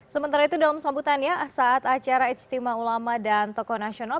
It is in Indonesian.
sementara itu dalam sambutannya saat acara istimewa ulama dan tokoh nasional